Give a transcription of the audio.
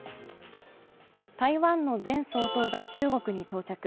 台湾の前総統が中国に到着。